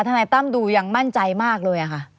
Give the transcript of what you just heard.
นายตั้มดูยังมั่นใจมากเลยค่ะ